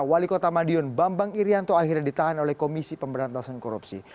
wali kota madiun bambang irianto akhirnya ditahan oleh komisi pemberantasan korupsi